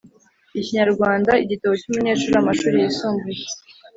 ikinyarwanda igitabo cy’umunyeshuri amashuri yisumbuye